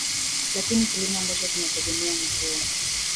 lakini kilimo ambacho kinategemea mvua